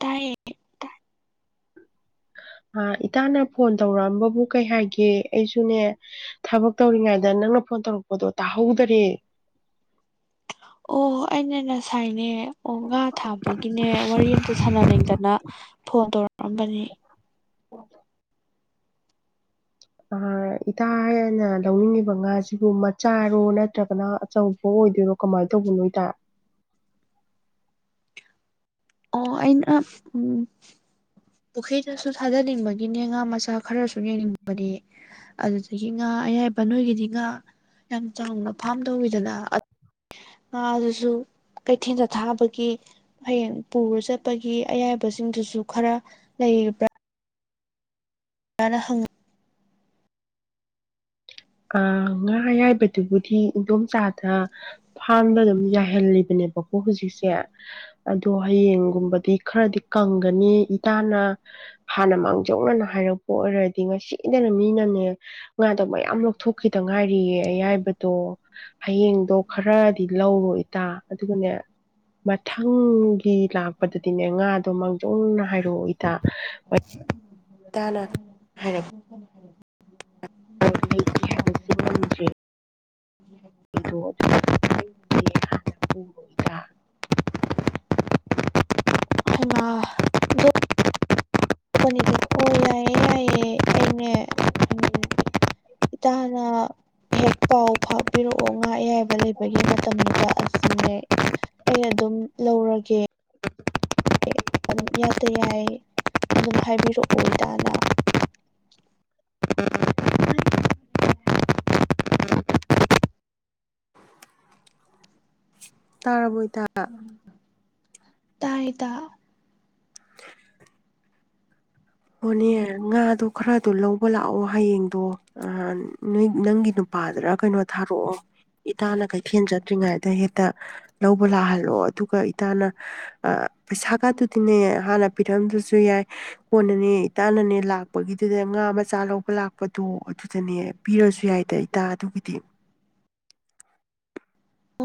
ꯇꯥꯏꯌꯦ ꯑ ꯏꯇꯥꯅ ꯐꯣꯟ ꯇꯧꯔꯛꯑꯝꯕꯕꯨ ꯀꯩ ꯍꯥꯏꯒꯦ ꯑꯩꯁꯨꯅꯦ ꯊꯕꯛ ꯇꯧꯔꯤꯉꯩꯗ ꯅꯪꯅ ꯐꯣꯟ ꯇꯧꯔꯛꯄꯗꯣ ꯇꯥꯍꯧꯗꯔꯦ ꯑꯣ ꯑꯩꯅ ꯉꯁꯥꯏꯅꯦ ꯑꯣ ꯉꯥ ꯊꯥꯕꯒꯤꯅꯦ ꯋꯥꯔꯤ ꯑꯗꯨ ꯁꯥꯟꯅꯅꯤꯡꯗꯅ ꯐꯣꯟ ꯇꯧꯔꯛꯑꯝꯕꯅꯤ ꯑꯣ ꯏꯇꯥ ꯍꯥꯏꯅ ꯂꯧꯅꯤꯡꯉꯤꯕ ꯉꯥꯁꯤꯕꯨ ꯃꯆꯥꯔꯣ ꯅꯠꯇ꯭ꯔꯒꯅ ꯑꯆꯧꯕ ꯑꯣꯏꯗꯣꯏꯔꯣ ꯀꯃꯥꯏꯅ ꯇꯧꯕꯅꯣ ꯏꯇꯥ ꯑꯣ ꯑꯩꯅ ꯎꯝ ꯄꯨꯈ꯭ꯔꯤꯗꯁꯨ ꯊꯥꯖꯅꯤꯡꯕꯒꯤꯅꯦ ꯑꯉꯥ ꯃꯆꯥ ꯈꯔꯁꯨ ꯌꯦꯡꯅꯤꯡꯕꯗꯤ ꯑꯗꯨꯗꯒꯤ ꯉꯥ ꯑꯌꯥꯏꯕ ꯅꯣꯏꯒꯤꯗꯤ ꯉꯥ ꯌꯥꯝ ꯆꯥꯎꯅ ꯐꯥꯝ ꯇꯧꯈꯤꯗꯅ ꯉꯥ ꯑꯗꯨꯁꯨ ꯀꯩꯊꯦꯜꯗ ꯊꯥꯕꯒꯤ ꯍꯌꯦꯡ ꯄꯨꯔ ꯆꯠꯄꯒꯤ ꯑꯌꯥꯕꯁꯤꯡꯗꯨꯁꯨ ꯈꯔ ꯂꯩꯕ꯭ꯔꯥ ꯌꯥꯅ ꯍꯪꯉ ꯑ ꯉꯥ ꯑꯌꯥꯏꯕꯗꯨꯕꯨꯗꯤ ꯏꯗꯣꯝꯆꯥꯥꯗ ꯐꯥꯝꯗ ꯑꯗꯨꯝ ꯌꯥꯏꯍꯜꯂꯤꯕꯅꯦꯕꯀꯣ ꯍꯧꯖꯤꯛꯁꯦ ꯑꯗꯣ ꯍꯌꯦꯡꯒꯨꯝꯕꯗꯤ ꯈꯔꯗꯤ ꯀꯪꯒꯅꯤ ꯏꯇꯥꯅ ꯍꯥꯟꯅ ꯃꯥꯡꯖꯧꯅꯅ ꯍꯥꯏꯔꯛꯄ ꯑꯣꯏꯔꯗꯤ ꯉꯁꯤꯗꯅ ꯃꯤꯅꯅꯦ ꯉꯥꯗꯣ ꯃꯌꯥꯝ ꯊꯣꯛꯈꯤꯇꯪ ꯉꯥꯏꯔꯤꯌꯦ ꯑꯩꯌꯥꯏꯕꯗꯣ ꯍꯌꯦꯡꯗꯣ ꯈꯔꯗꯤ ꯂꯧꯔꯣ ꯏꯇꯥ ꯑꯗꯨꯒꯅꯦ ꯃꯊꯪꯒꯤ ꯂꯥꯛꯄꯗꯗꯤꯅꯦ ꯉꯥꯗꯣ ꯃꯥꯡꯖꯧꯅꯅ ꯍꯥꯏꯔꯛꯑꯣ ꯏꯇꯥ ꯏꯇꯥꯅ ꯍꯥꯏ [unintelligible] [inaudible] [unintelligible] ꯍꯩꯃ ꯑꯇꯣꯞꯄꯅꯤꯗ ꯑꯣ ꯌꯥꯏꯌꯦ ꯌꯥꯏꯑꯦ ꯑꯩꯅꯦ ꯎꯝ ꯏꯇꯥꯅ ꯍꯦꯛ ꯄꯥꯎ ꯐꯥꯕꯤꯔꯛꯑꯣ ꯉꯥ ꯑꯌꯥꯏꯕ ꯂꯩꯕꯒꯤ ꯃꯇꯝꯗꯨꯗ ꯑꯁꯨꯝꯅꯦ ꯑꯩ ꯑꯗꯨꯝ ꯂꯧꯔꯒꯦ ꯑꯗꯨꯝ ꯏꯌꯥꯠꯇ ꯌꯥꯏ ꯑꯗꯨꯝ ꯍꯥꯏꯕꯤꯔꯛꯑꯣ ꯏꯇꯥꯅ [inaudible] ꯇꯥꯔꯕꯣ ꯏꯇꯥ ꯇꯥꯔꯦ ꯏꯇꯥ ꯑꯣꯅꯦ ꯉꯥꯗꯣ ꯈꯔꯥ ꯑꯗꯨ ꯂꯧꯕ ꯂꯥꯛꯑꯣ ꯍꯌꯦꯡꯗꯣ ꯑ ꯅꯣꯏ ꯅꯪꯒꯤ ꯅꯨꯄꯥꯗꯨꯔ ꯀꯩꯅꯣ ꯊꯥꯔꯛꯑꯣ ꯏꯇꯥꯅ ꯀꯩꯊꯦꯟ ꯆꯠꯇ꯭ꯔꯤꯉꯩꯗ ꯍꯦꯛꯇ ꯂꯧꯕ ꯂꯥꯛꯍꯜꯂꯣ ꯑꯗꯨꯒ ꯏꯇꯥꯅ ꯄꯩꯁꯥ ꯀꯥꯇꯨꯗꯤꯅꯦ ꯍꯥꯟꯅ ꯄꯤꯔꯝꯗꯁꯨ ꯌꯥꯏ ꯀꯣꯟꯅꯅꯦ ꯏꯇꯥꯥꯟꯅꯅꯦ ꯂꯥꯛꯄꯒꯤꯗꯨꯅꯦ ꯉꯥ ꯃꯆꯥ ꯂꯧꯕ ꯂꯥꯛꯄꯗꯣ ꯑꯗꯨꯗꯅꯦ ꯄꯤꯔꯁꯨ ꯌꯥꯏꯗ ꯏꯇꯥ ꯑꯗꯨꯒꯤꯗꯤ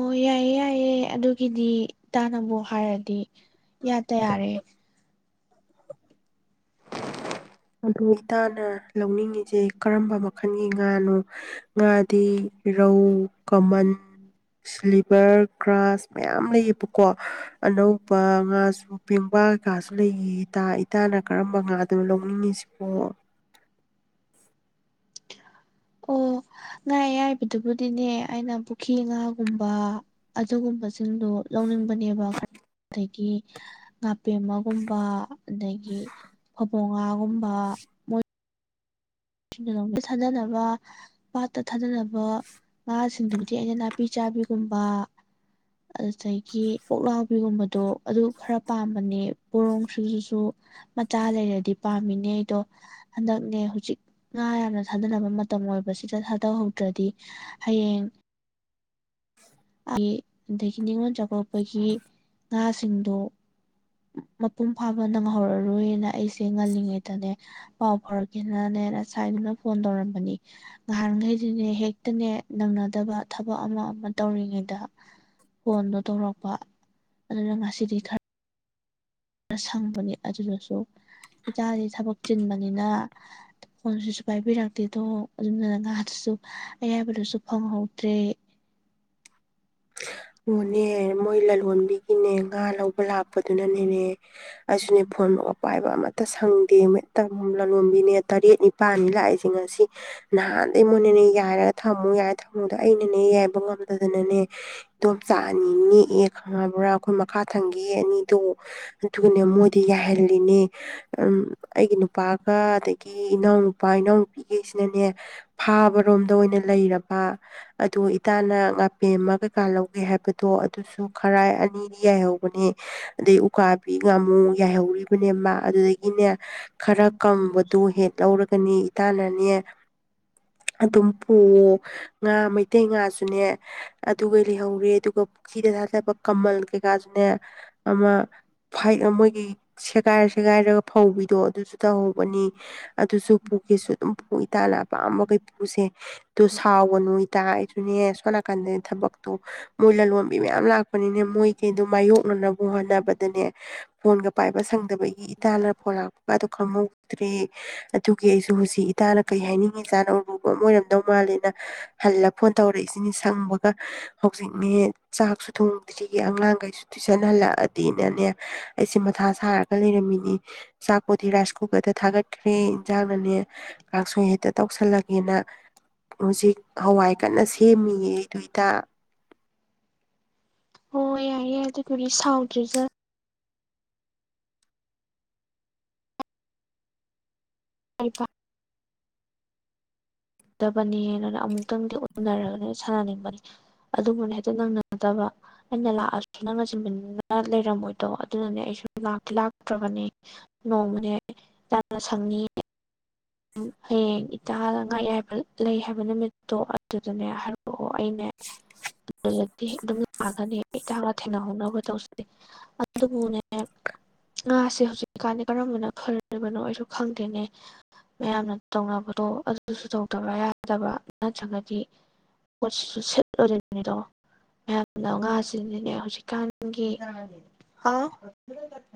ꯑꯣ ꯌꯥꯏꯌꯦ ꯌꯥꯏꯌꯦ ꯑꯗꯨꯒꯤꯗꯤ ꯏꯇꯥꯥꯅꯕꯨ ꯍꯥꯏꯔꯗꯤ ꯏꯌꯥꯇꯥ ꯌꯥꯔꯦ ꯑꯗꯨ ꯏꯇꯥꯅ ꯂꯧꯅꯤꯡꯉꯤꯖꯦ ꯀꯔꯝꯕ ꯃꯈꯟꯒꯤ ꯉꯥꯅꯣ ꯉꯥꯗꯤ ꯔꯧ ꯀꯃꯟ ꯁ꯭ꯂꯤꯕꯔ ꯒ꯭ꯔꯥꯁ ꯃꯌꯥꯝ ꯂꯩꯌꯦꯕꯀꯣ ꯑꯅꯧꯕ ꯉꯥꯁꯨ ꯄꯦꯡꯕꯥ ꯀꯥꯁꯨ ꯂꯩꯔꯤ ꯏꯇꯥ ꯏꯇꯥꯅ ꯀꯔꯝꯕ ꯉꯥꯗꯣ ꯂꯧꯅꯤꯡꯉꯤꯁꯤꯕꯣ ꯑꯣ ꯉꯥ ꯑꯌꯥꯏꯕꯗꯨꯕꯨꯗꯤꯅꯦ ꯑꯩꯅ ꯄꯨꯈ꯭ꯔꯤ ꯉꯥꯒꯨꯝꯕ ꯑꯗꯨꯒꯨꯝꯕ ꯆꯁꯤꯡꯗꯣ ꯂꯧꯅꯤꯡꯕꯅꯦꯕ ꯈꯔ ꯑꯗꯒꯤ ꯅꯥꯄꯦꯝꯃꯒꯨꯝꯕ ꯑꯗꯒꯤ ꯐꯕꯣꯉꯥꯒꯨꯝꯕ [unintelligible] ꯗꯣꯝꯇ ꯊꯥꯗꯅꯕ ꯄꯥꯠꯇ ꯊꯥꯗꯅꯕ ꯉꯥꯁꯤꯡꯗꯨꯕꯨꯗꯤ ꯑꯩꯅ ꯅꯥꯄꯤ ꯆꯥꯕꯤꯒꯨꯝꯕ ꯑꯗꯨꯗꯒꯤ ꯄꯣꯛꯂꯥꯎꯕꯤꯒꯨꯝꯕꯗꯣ ꯑꯗꯨ ꯈꯔ ꯄꯥꯝꯕꯅꯦ ꯄꯣꯔꯣꯡꯁꯤꯡꯁꯤꯁꯨ ꯃꯆꯥ ꯂꯩꯔꯗꯤ ꯄꯥꯝꯃꯤꯅꯦ ꯑꯩꯗꯣ ꯍꯟꯗꯛꯅꯦ ꯍꯧꯖꯤꯛ ꯉꯥ ꯌꯥꯝꯅ ꯊꯥꯗꯅꯕ ꯃꯇꯝ ꯑꯣꯏꯕꯁꯤꯗ ꯊꯥꯗꯍꯧꯗ꯭ꯔꯗꯤ ꯍꯌꯦꯡ ꯑꯩ ꯑꯗꯒꯤ ꯅꯤꯉꯣꯜ ꯆꯥꯛꯀꯧꯕꯒꯤ ꯉꯥꯁꯤꯡꯗꯣ ꯃꯄꯨꯡ ꯐꯥꯕ ꯅꯪꯍꯧꯔꯔꯣꯏꯅ ꯑꯩꯁꯦ ꯉꯜꯂꯤꯉꯩꯗꯅꯦ ꯄꯥꯎ ꯐꯥꯎꯔꯛꯀꯦꯅꯅꯦ ꯉꯁꯥꯏꯗꯨꯅ ꯐꯣꯟ ꯇꯧꯔꯝꯕꯅꯤ ꯉꯍꯥꯟꯈꯩꯁꯤꯅꯦ ꯍꯦꯛꯇꯅꯦ ꯅꯪꯅꯗꯕ ꯊꯕꯛ ꯑꯃ ꯑꯃ ꯇꯧꯔꯤꯉꯩꯗ ꯐꯣꯟꯗꯣ ꯇꯧꯔꯛꯄ ꯑꯗꯨꯅ ꯉꯁꯤꯗꯤ ꯈꯔ ꯁꯪꯕꯅꯤ ꯑꯗꯨꯗꯁꯨ ꯏꯆꯥꯗꯤ ꯊꯕꯛ ꯆꯤꯟꯕꯅꯤꯅ ꯐꯣꯟꯁꯤꯁꯨ ꯄꯥꯏꯕꯤꯔꯛꯇꯦꯗꯣ ꯑꯗꯨꯗꯨꯅ ꯉꯥꯗꯨꯁꯨ ꯑꯌꯥꯏꯕꯗꯨꯁꯨ ꯐꯪꯍꯧꯗ꯭ꯔꯦ ꯑꯣꯅꯦ ꯃꯣꯏ ꯂꯂꯣꯟꯕꯤꯒꯤꯅꯦ ꯉꯥ ꯂꯧꯕ ꯂꯥꯛꯄꯗꯨꯅꯅꯦꯅꯦ ꯑꯩꯁꯨꯅꯦ ꯐꯣꯟꯑꯣꯛ ꯄꯥꯏꯕ ꯑꯃꯠꯇ ꯁꯪꯗꯦ ꯂꯂꯣꯟꯕꯤꯅꯦ ꯇꯔꯦꯠ ꯅꯤꯄꯥꯜꯅꯤ ꯂꯥꯛꯏꯁꯦ ꯉꯁꯤ ꯅꯍꯥꯟꯗꯩ ꯃꯣꯏꯅꯅꯦ ꯌꯥꯏꯔꯒ ꯊꯝꯃꯨ ꯌꯥꯏ ꯊꯝꯃꯨꯗ ꯑꯩꯅꯅꯦ ꯌꯥꯏꯕ ꯉꯝꯗꯗꯅꯅꯦ ꯏꯗꯣꯝꯆꯥ ꯑꯅꯤ ꯅꯦꯛꯑꯦ ꯈꯪꯉꯕ꯭ꯔꯥ ꯑꯩꯈꯣꯏ ꯃꯈꯥ ꯊꯪꯒ ꯑꯅꯤꯗꯣ ꯑꯗꯨꯒꯅꯦ ꯃꯣꯏꯗꯤ ꯌꯥꯏꯍꯜꯂꯤꯅꯦ ꯎꯝ ꯑꯩꯒꯤ ꯅꯨꯄꯥꯒ ꯑꯗꯒꯤ ꯏꯅꯥꯎ ꯅꯨꯄꯥ ꯏꯅꯥꯎꯅꯨꯄꯤꯈꯩꯁꯤꯅꯅꯦ ꯐꯥꯕꯔꯣꯝꯗ ꯑꯣꯏꯅ ꯂꯩꯔꯕ ꯑꯗꯣ ꯏꯇꯥꯅ ꯉꯥꯥꯄꯦꯝꯃ ꯀꯩꯀꯥ ꯂꯧꯒꯦ ꯍꯥꯏꯕꯗ ꯇꯣ ꯑꯗꯨꯁꯨ ꯈꯔꯥꯏ ꯑꯅꯤꯗꯤ ꯌꯥꯏꯍꯧꯕꯅꯦ ꯑꯗꯩ ꯎꯀꯥꯕꯤ ꯉꯥꯃꯨ ꯌꯥꯏꯍꯧꯔꯤꯕꯅꯦ ꯃꯥ ꯑꯗꯨꯗꯒꯤꯅꯦ ꯈꯔ ꯀꯪꯝꯕꯗꯨ ꯍꯦꯛ ꯂꯧꯔꯒꯅꯤ ꯏꯇꯥꯅꯅꯦ ꯑꯗꯨꯝ ꯄꯨꯋꯣ ꯉꯥ ꯃꯩꯇꯩ ꯉꯥꯁꯨꯅꯦ ꯑꯗꯨꯒ ꯂꯤꯍꯧꯔꯦ ꯑꯗꯨꯒ ꯄꯨꯈꯤꯗ ꯊꯥꯗꯕ ꯀꯃꯜ ꯀꯩꯀꯥꯁꯨꯅꯦ ꯑꯃ ꯐꯩꯠ ꯑꯃ ꯃꯣꯏꯒꯤ ꯁꯦꯒꯥꯏꯔ ꯁꯦꯒꯥꯏꯔꯒ ꯐꯧꯕꯤꯗꯣ ꯑꯗꯨꯁꯨ ꯇꯧꯍꯧꯕꯅꯤ ꯑꯗꯨꯁꯨ ꯄꯨꯈꯤꯁꯨ ꯑꯗꯨꯝ ꯄꯨ ꯏꯇꯥꯜꯂ ꯑꯄꯥꯝꯕ ꯀꯩ ꯄꯨꯨꯁꯦ ꯇꯨ ꯁꯥꯎꯒꯅꯨ ꯏꯇꯥ ꯍꯥꯏꯗꯨꯅꯦ ꯁꯣꯝ ꯅꯥꯀꯟꯗꯅꯦ ꯊꯕꯛꯇꯣ ꯃꯣꯏ ꯂꯂꯣꯟꯕꯤ ꯃꯌꯥꯝ ꯂꯥꯛꯄ ꯄꯅꯤꯅ ꯃꯣꯏ ꯀꯩꯗꯣ ꯃꯥꯏꯌꯣꯛꯅꯅꯕ ꯍꯣꯠꯅꯕꯗꯅꯦ ꯐꯣꯟꯒ ꯄꯥꯏꯕ ꯁꯪꯗꯕꯩ ꯑꯩ ꯏꯇꯥꯅ ꯄꯨꯔꯛꯄ ꯑꯗꯨ ꯈꯨꯝꯃꯨꯛꯇ꯭ꯔꯦ ꯑꯗꯨꯒꯤ ꯑꯩꯁꯨ ꯍꯨꯖꯤꯛ ꯏꯇꯥꯅ ꯀꯩ ꯍꯥꯏꯅꯤꯡꯉꯤꯖꯥꯅꯣ [unintelligible] ꯑꯣꯏꯔꯝꯗꯧ ꯃꯥꯜꯂꯦꯅ ꯍꯜꯂ ꯐꯣꯟ ꯇꯧꯔꯛꯏꯁꯤꯅꯤ ꯁꯪꯕ ꯍꯧꯖꯤꯛꯅꯦ ꯆꯥꯛꯁꯨ ꯊꯣꯡꯗ꯭ꯔꯤ ꯑꯉꯥꯡꯒꯩꯁꯨ ꯇꯨꯏꯁꯟ ꯍꯜꯂꯛꯑꯗꯤꯅꯅꯦ ꯑꯩꯁꯦ ꯃꯊꯥ ꯁꯥꯔꯒ ꯂꯩꯔꯝꯃꯤꯅꯤ ꯆꯥꯛꯄꯣꯗꯤ ꯔꯥꯏꯁ ꯀꯨꯀꯔꯗ ꯊꯥꯒꯠꯈ꯭ꯔꯦ ꯏꯟꯖꯥꯡꯅꯅꯦ ꯀꯥꯡꯁꯣꯏ ꯍꯦꯛꯇ ꯇꯧꯁꯜꯂꯒꯦꯅ ꯍꯧꯖꯤꯛ ꯍꯋꯥꯏ ꯀꯟꯅ ꯁꯦꯝꯃꯤꯌꯦ ꯅꯣꯏꯗꯥ ꯍꯣ ꯌꯥꯏꯌꯦ ꯌꯥꯏ ꯑꯗꯨꯗꯨꯒꯤ ꯁꯥꯎꯗ꯭ꯔꯦꯗ ꯑꯩ ꯄꯥ ꯗꯕꯅꯦꯅꯅ ꯑꯃꯨꯛꯇꯪꯗꯤ ꯎꯅꯔꯒꯅꯦ ꯁꯥꯟꯅꯅꯤꯡꯕꯅꯤ ꯑꯗꯨꯕꯨꯅꯦ ꯍꯦꯛꯇ ꯅꯪꯅꯗꯕ ꯑꯩꯅ ꯂꯥꯛꯑꯁꯨ ꯅꯪꯅ [unintelligible] ꯂꯩꯔꯝꯃꯣꯏꯗꯣ ꯑꯗꯨꯅꯅꯦ ꯑꯩꯁꯨ ꯂꯥꯛꯇꯤ ꯂꯥꯛꯇ꯭ꯔꯕꯅꯦ ꯅꯣꯡꯃꯅꯦ ꯅꯪꯅ ꯁꯪꯅꯤ ꯍꯌꯦꯡ ꯏꯇꯥꯅ ꯉꯥ ꯑꯌꯥꯏꯕ ꯂꯩ ꯍꯥꯏꯕ ꯅꯨꯃꯤꯠꯇꯣ ꯑꯗꯨꯗꯅꯦ ꯍꯥꯏꯔꯛꯑꯣ ꯑꯣ ꯑꯣ ꯑꯩꯅꯦ ꯑꯗꯨꯗꯗꯤ ꯍꯦꯛ ꯑꯗꯨꯝ [unintelligible] ꯏꯇꯥꯒ ꯊꯦꯡꯅꯍꯧꯅꯕ ꯇꯧꯁꯤ ꯑꯗꯨꯕꯨꯅꯦ ꯉꯥꯁꯦ ꯍꯧꯖꯤꯛ ꯀꯥꯟꯗꯤ ꯀꯔꯝꯕꯅ ꯐꯔꯤꯕꯅꯣ ꯑꯩꯁꯨ ꯈꯪꯗꯦꯅꯦ ꯃꯌꯥꯝꯅ ꯇꯧꯅꯕꯗꯣ ꯑꯗꯨꯁꯨ ꯇꯧꯗꯕ ꯌꯥꯗꯕ ꯅꯠꯇ꯭ꯔꯒꯗꯤ ꯄꯣꯠꯁꯤꯁꯨ ꯁꯤꯠꯂꯨꯔꯤꯅꯤꯗꯣ ꯃꯌꯥꯝꯅ ꯉꯥꯁꯤꯡꯗꯤꯅꯦ ꯍꯧꯖꯤꯛꯀꯥꯟꯒꯤ ꯍꯥꯎ